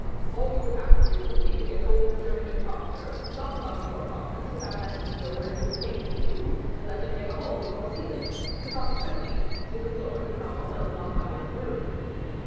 all you would have to do would be to get hold of a journeyman carpenter, lock him up in your apartments, without letting him know where you have taken him to, and let him make a hole in your ceiling, and consequently in the flooring of Mademoiselle de la Valliere's room."